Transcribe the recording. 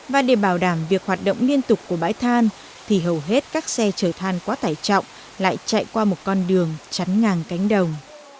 và để bảo đảm việc hoạt động liên tục của bãi than thì hầu hết các xe chở than quá tải trọng lại chạy qua một con đường chắn ngang cánh đồng